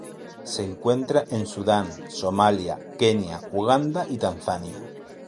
Se encuentra en Sudán Somalia, Kenia, Uganda y Tanzania.